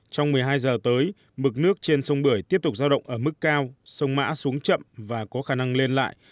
trong một mươi hai giờ tới mực nước trên sông bưởi tiếp tục giao động ở mức cao sông mã xuống chậm và có khả năng lên lại